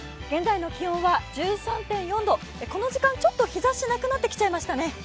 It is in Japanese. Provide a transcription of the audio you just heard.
現在の気温は１３．４度、この時間ちょっと日ざしなくなってきちゃいましたね。